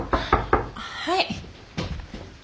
はい。